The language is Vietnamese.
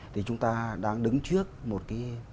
thì chúng ta đang đứng trước một cái